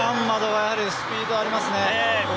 やはりスピードありますね。